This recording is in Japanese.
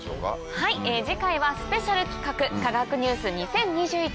はい次回はスペシャル企画科学ニュース２０２１。